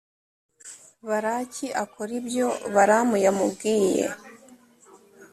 balaki akora ibyo balamu yamubwiye.